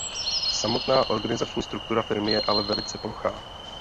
Samotná organizační struktura firmy je ale velice plochá.